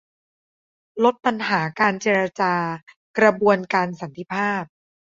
ลดปัญหาการเจรจากระบวนการสันติภาพ